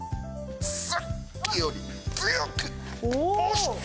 さっきより強く押しても！